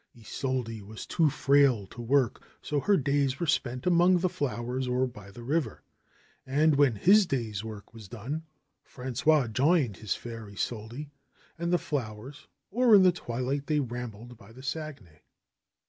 Isolde was too frail to work, so her days were spent among the flowers or by the river. And when his day's work was done Frangois joined his fair Isolde and. the flowers or in the twilight they rambled by the Saguenay.